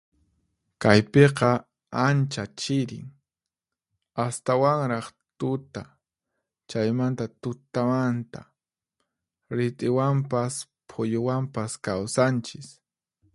Kaypiqa ancha chirin, astawanraq tuta chaymanta tutamanta. Rit'iwanpas phuyuwanpas kawsanchis.